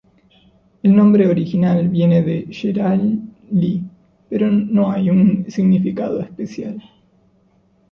El nombre original viene de Sheryl Lee, pero no hay un significado especial.